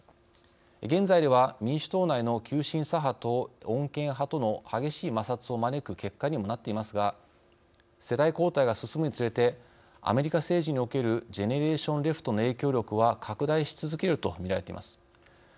現在では民主党内の急進左派と穏健派との激しい摩擦を招く結果にもなっていますが世代交代が進むにつれてアメリカ政治におけるジェネレーション・レフトの影響力は拡大し続けるとみられています。